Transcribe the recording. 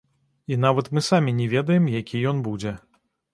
І нават мы самі не ведаем, які ён будзе.